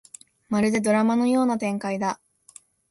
まるでドラマのような展開だ